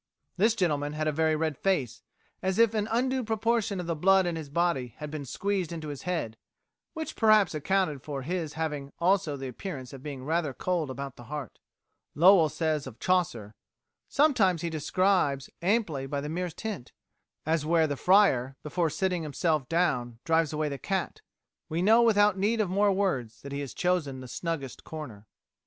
This gentleman had a very red face, as if an undue proportion of the blood in his body had been squeezed into his head; which perhaps accounted for his having also the appearance of being rather cold about the heart." Lowell says of Chaucer, "Sometimes he describes amply by the merest hint, as where the Friar, before sitting himself down, drives away the cat. We know without need of more words that he has chosen the snuggest corner."